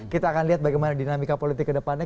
kita akan lihat bagaimana dinamika politik ke depannya